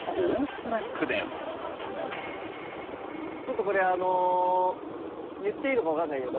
ちょっとこれ言っていいのか分からないけど。